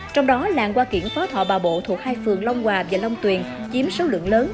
trong đó làng hoa kiển phó thọ bà bộ thuộc hai phường long hòa và long tuyền chiếm số lượng lớn